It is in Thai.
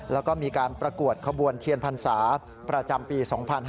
แล้วก็มีการประกวดขบวนเทียนพรรษาประจำปี๒๕๕๙